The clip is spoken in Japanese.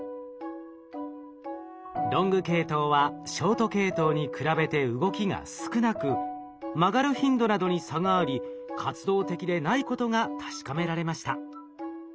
ロング系統はショート系統に比べて動きが少なく曲がる頻度などに差があり活動的でないことが確かめられました。